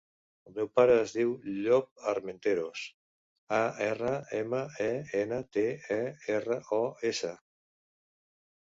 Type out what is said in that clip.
El meu pare es diu Llop Armenteros: a, erra, ema, e, ena, te, e, erra, o, essa.